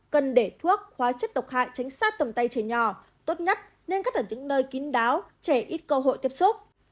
cần để thuốc hóa chất độc hại tránh sát tầm tay trẻ nhỏ tốt nhất nên cất ở những nơi kín đáo trẻ ít cơ hội tiếp xúc